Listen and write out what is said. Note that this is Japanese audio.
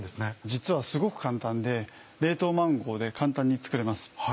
実はすごく簡単で冷凍マンゴーで簡単に作れます。